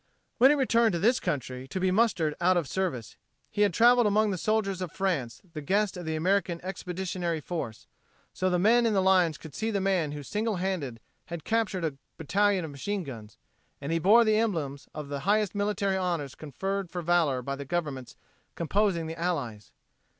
When he returned to this country to be mustered out of service he had traveled among the soldiers of France the guest of the American Expeditionary Force, so the men in the lines could see the man who single handed had captured a battalion of machine guns, and he bore the emblems of the highest military honors conferred for valor by the governments composing the Allies.